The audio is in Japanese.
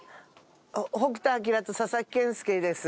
北斗晶と佐々木健介です。